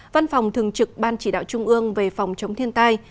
văn phòng thường trực ban chỉ đạo trung ương về phòng chống thiên tai